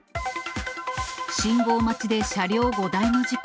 信号待ちで車両５台の事故。